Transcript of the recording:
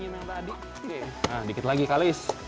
nah dikit lagi kalis